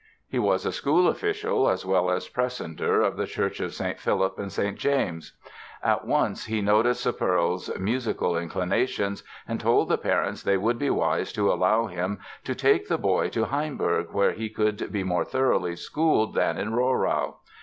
He was a school official, as well as precentor of the Church of St. Philip and St. James. At once he noticed "Sepperl's" musical inclinations and told the parents they would be wise to allow him to take the boy to Hainburg, where he could be more thoroughly schooled than in Rohrau.